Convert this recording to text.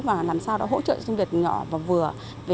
và làm sao đó hỗ trợ doanh nghiệp nhỏ và vừa